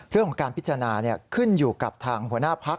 เรื่องของการพิจารณาขึ้นอยู่กับทางหัวหน้าพัก